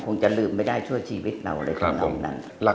คงจะลืมไม่ได้ชั่วชีวิตเราเลยทั้งนอกนั้น